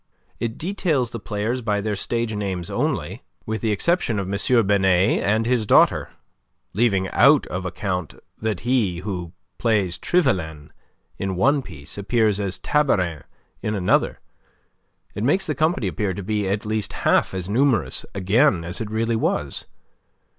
It details the players by their stage names only, with the exception of M. Binet and his daughter, and leaving out of account that he who plays Trivelin in one piece appears as Tabarin in another, it makes the company appear to be at least half as numerous again as it really was.